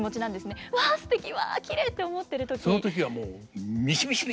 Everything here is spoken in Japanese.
「わすてきわきれい」って思ってる時。